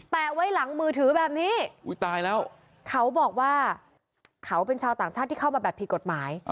ไว้หลังมือถือแบบนี้อุ้ยตายแล้วเขาบอกว่าเขาเป็นชาวต่างชาติที่เข้ามาแบบผิดกฎหมาย